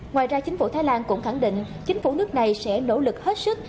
ngoài ra chính phủ thái lan cũng khẳng định chính phủ nước này sẽ nỗ lực hết sức